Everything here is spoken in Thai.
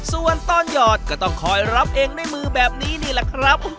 ส่วนตอนหยอดก็ต้องคอยรับเองด้วยมือแบบนี้นี่แหละครับ